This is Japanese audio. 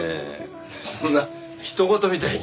そんなひとごとみたいに。